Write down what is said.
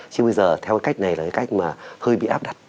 chứ bây giờ theo cái cách này là cái cách mà hơi bị áp đặt